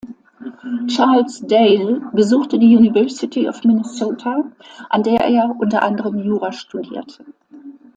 Charles Dale besuchte die University of Minnesota, an der er unter anderem Jura studierte.